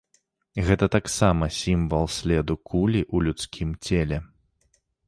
Гэта таксама сімвал следу кулі ў людскім целе.